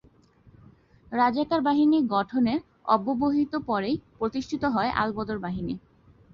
রাজাকার বাহিনী গঠনের অব্যবহিত পরেই প্রতিষ্ঠিত হয় আল-বদর বাহিনী।